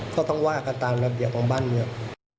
ก็ต้องว่ากันตามระเบียบของบ้านเมือง